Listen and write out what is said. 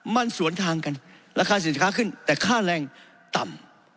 มันสวนทางกันราคาสินค้าขึ้นแต่ค่าแรงต่ำ